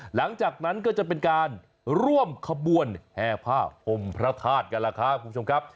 หลังจากนั้นก็จะเป็นการร่วมขบวนแห่ผ้าห่มพระธาตุกันล่ะครับคุณผู้ชมครับ